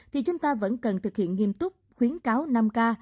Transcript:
thì chúng ta vẫn cần thực hiện nghiêm túc khuyến cáo năm k